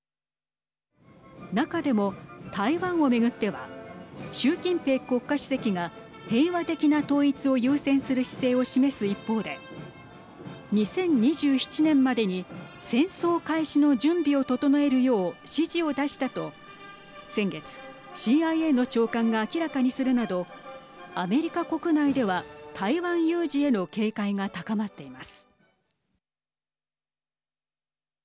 中でも台湾を巡っては習近平国家主席が平和的な統一を優先する姿勢を示す一方で２０２７年までに戦争開始の準備を整えるよう指示を出したと先月ＣＩＡの長官が明らかにするなどアメリカ国内では台湾有事への警戒が高まっています。